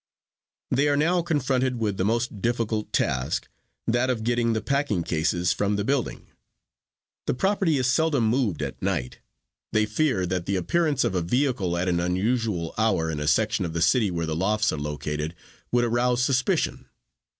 "They are now confronted with the most difficult task, that of getting the packing cases from the building. The property is seldom moved at night. They fear that the appearance of a vehicle at an unusual hour in a section of the city where lofts are located would arouse suspicion.